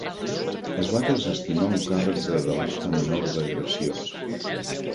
Es va desestimar un càrrec de delicte menor d'agressió.